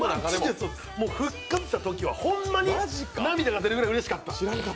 復活したときはホンマに涙が出るくらいうれしかった。